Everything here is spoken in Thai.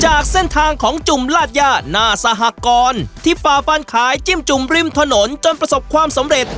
จากเส้นทางของจุ่มลาดย่าหน้าสหกรที่ฝ่าฟันขายจิ้มจุ่มริมถนนจนประสบความสำเร็จ